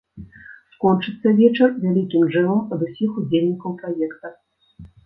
Скончыцца вечар вялікім джэмам ад усіх удзельнікаў праекта.